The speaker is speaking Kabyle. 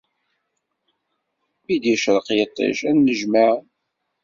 Mi d-icreq yiṭij, ad nnejmaɛen.